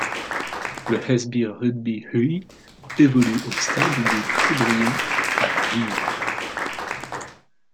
Le Hesby Rugby Huy évolue au Stade des Pré Brions à Gives.